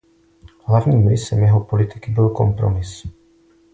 Hlavním rysem jeho politiky byl kompromis.